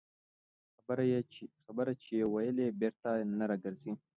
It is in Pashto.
خبره چې ووېلې، بېرته نه راګرځي